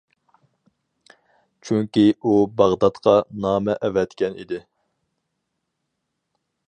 چۈنكى ئۇ باغداتقا نامە ئەۋەتكەن ئىدى.